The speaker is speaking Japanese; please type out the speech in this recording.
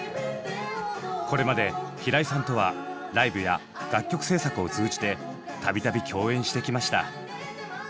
これまで平井さんとはライブや楽曲制作を通じてたびたび共演してきました。